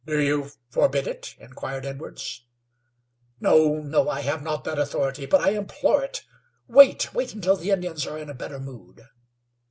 "Do you forbid it?" inquired Edwards. "No, no. I have not that authority, but I implore it. Wait, wait until the Indians are in a better mood."